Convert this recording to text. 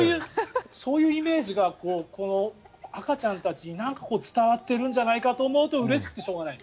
そういうイメージが赤ちゃんたちに何か伝わっているんじゃないかと思うとうれしくてしょうがない。